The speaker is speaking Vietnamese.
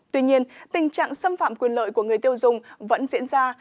tuy nhiên tình trạng xâm phạm quyền lợi của người tiêu dùng vẫn diễn ra